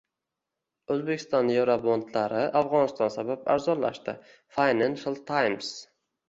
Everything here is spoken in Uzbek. O‘zbekiston yevrobondlari Afg‘oniston sabab arzonlashdi — Financial Times